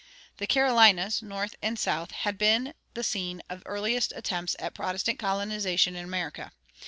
The Carolinas, North and South, had been the scene of the earliest attempts at Protestant colonization in America.